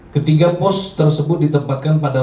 ketiga pos tersebut ditempatkan pada